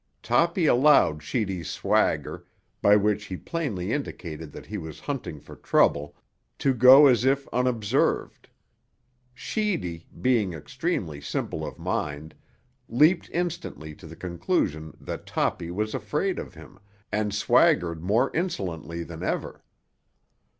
Toppy allowed Sheedy's swagger, by which he plainly indicated that he was hunting for trouble, to go as if unobserved. Sheedy, being extremely simple of mind, leaped instantly to the conclusion that Toppy was afraid of him and swaggered more insolently than ever.